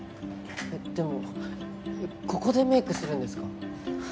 でもここでメイクするんですか？